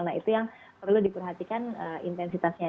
nah itu yang perlu diperhatikan intensitasnya